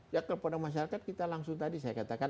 ya kepada masyarakat kita langsung tadi saya katakan